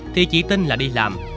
thì chị tin là đi làm